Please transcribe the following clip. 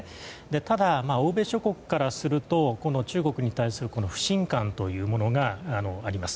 ただ、欧米諸国からすると中国に対する不信感というものがあります。